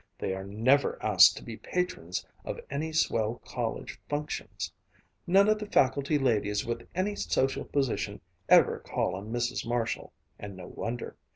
They are never asked to be patrons of any swell college functions. None of the faculty ladies with any social position ever call on Mrs. Marshall and no wonder.